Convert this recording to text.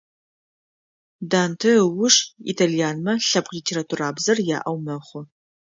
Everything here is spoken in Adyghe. Данте ыуж итальянмэ лъэпкъ литературабзэр яӏэу мэхъу.